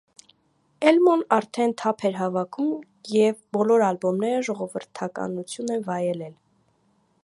Էլմոն արդեն թափ էր հավաքում, և բոլոր ալբոմները ժողովրդականություն են վայելել։